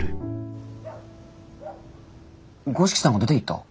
五色さんが出ていった？